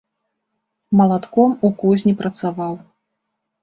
Малатком у кузні працаваў.